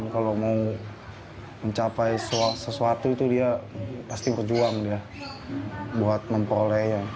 kalau mau mencapai sesuatu itu dia pasti berjuang dia buat memperolehnya